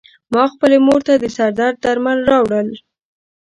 ما خپلې مور ته د سر درد درمل راوړل .